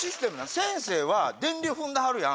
先生は電流踏んではるやん。